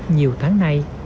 nhiều tháng nay trung quy